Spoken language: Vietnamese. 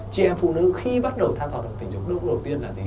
chị em phụ nữ khi bắt đầu tham gia hoạt động tình dục lúc đầu tiên là gì